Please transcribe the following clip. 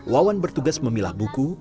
wawan bertugas memilah buku